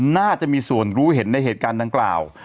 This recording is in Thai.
น่าจะมีส่วนรู้เห็นในเหตุการณ์ดังกล่าว